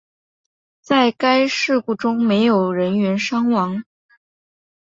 在该事故中没有人员伤亡。